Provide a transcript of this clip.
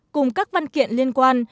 cùng các văn kiện liên quan